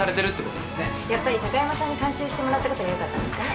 やっぱり高山さんに監修してもらったことがよかったんですかね。